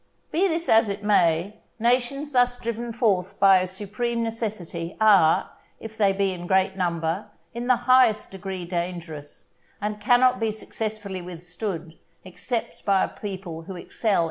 Be this as it may, nations thus driven forth by a supreme necessity, are, if they be in great number, in the highest degree dangerous, and cannot be successfully withstood except by a people who excel in arms.